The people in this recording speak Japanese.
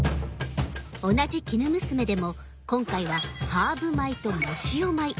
同じきぬむすめでも今回はハーブ米と藻塩米。